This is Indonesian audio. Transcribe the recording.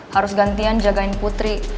harus gantian jagain putri